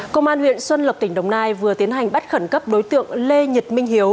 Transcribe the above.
công an huyện xuân lộc tỉnh đồng nai vừa tiến hành bắt khẩn cấp đối tượng lê nhật minh hiếu